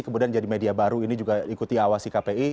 kemudian jadi media baru ini juga ikuti awasi kpi